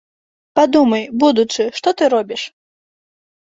Падумай, будучы, што ты робіш?